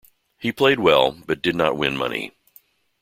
He played well, but did not win money.